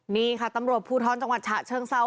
นี่ค่ะตำรวบผู้ท้อนจังหวัดฉาเชิงเศร้า